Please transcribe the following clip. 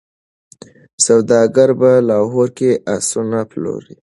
سوداګر په لاهور کي آسونه پلوري.